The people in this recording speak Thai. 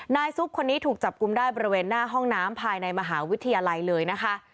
ซุปคนนี้ถูกจับกลุ่มได้บริเวณหน้าห้องน้ำภายในมหาวิทยาลัยเลยนะคะ